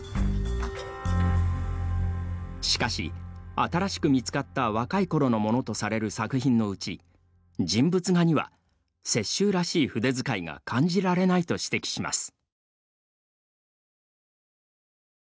しかし、新しく見つかった若いころのものとされる作品のうち人物画には雪舟らしい筆づかいが感じられないと指摘します。